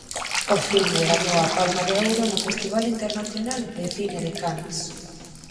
O filme gañou a Palma de Ouro no Festival Internacional de Cine de Cannes.